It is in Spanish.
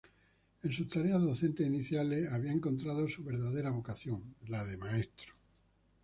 En sus tareas docentes iniciales había encontrado su verdadera vocación: la de maestro.